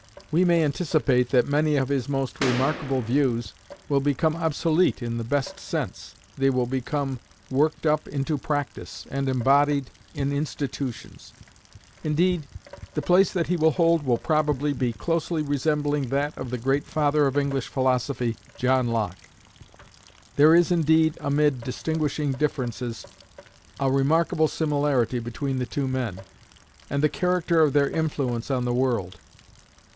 We may anticipate that many of his most remarkable views will become obsolete in the best sense: they will become worked up into practice, and embodied in institutions. Indeed, the place that he will hold will probably be closely resembling that of the great father of English philosophy, John Locke. There is indeed, amid distinguishing differences, a remarkable similarity between the two men, and the character of their influence on the world.